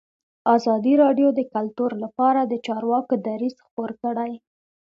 ازادي راډیو د کلتور لپاره د چارواکو دریځ خپور کړی.